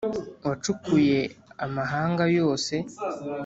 wacukuye amahanga, yose